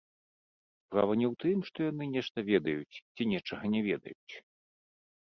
Справа не ў тым, што яны нешта ведаюць ці нечага не ведаюць.